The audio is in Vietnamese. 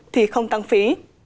thì không tăng phí